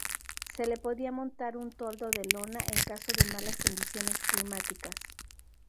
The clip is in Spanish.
Se le podía montar un toldo de lona en caso de malas condiciones climáticas.